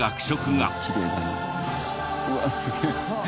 うわあすげえ。